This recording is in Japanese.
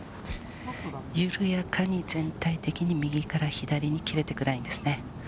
緩やかに全体的に右から左に切れていくラインですね。